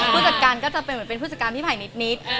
ผู้จัดการก็จะเป็นเหมือนเป็นผู้จัดการพี่ไผ่นิด